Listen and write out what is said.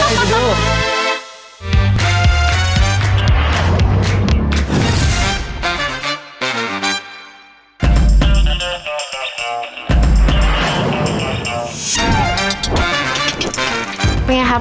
เป็นยังไงครับ